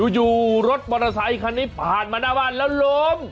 อยู่รถมอเตอร์ไซคันนี้ผ่านมาหน้าบ้านแล้วล้ม